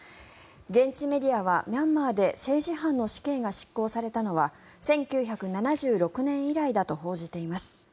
現地メディアは、ミャンマーで政治犯の死刑が執行されたのは１９７６年以来だと報じています。